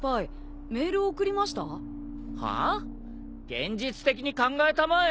現実的に考えたまえ。